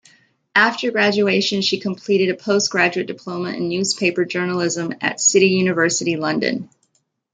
After graduation she completed a Postgraduate Diploma in Newspaper Journalism at City University, London.